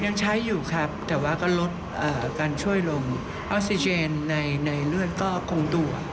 ยังใช้อยู่ครับแต่ว่าก็ลดการช่วยลมออกซิเจนในเลือดก็คงด่วน